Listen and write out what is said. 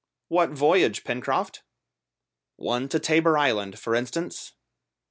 "What voyage, Pencroft?" "One to Tabor Island, for instance."